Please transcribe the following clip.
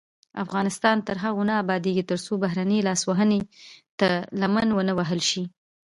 افغانستان تر هغو نه ابادیږي، ترڅو بهرنۍ لاسوهنې ته لمن ونه وهل شي.